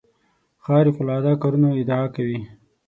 خارق العاده کارونو ادعا کوي.